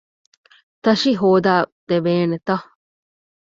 ތަށި ހޯދައިދެވޭނެތަ؟